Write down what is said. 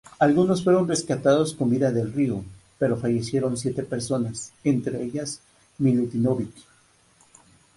Algunos fueron rescatados con vida del río, pero fallecieron siete personas, entre ellas Milutinović.